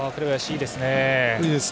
いいですね。